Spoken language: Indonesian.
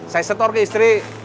saya setor ke istri